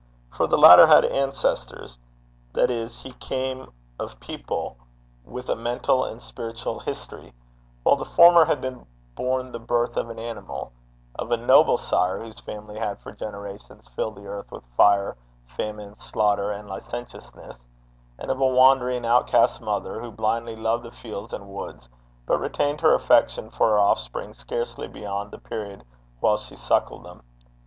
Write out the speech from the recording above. For the latter had ancestors that is, he came of people with a mental and spiritual history; while the former had been born the birth of an animal; of a noble sire, whose family had for generations filled the earth with fire, famine, slaughter, and licentiousness; and of a wandering outcast mother, who blindly loved the fields and woods, but retained her affection for her offspring scarcely beyond the period while she suckled them.